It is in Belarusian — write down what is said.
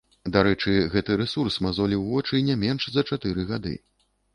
Дарэчы, гэты рэсурс мазоліў вочы не менш за чатыры гады.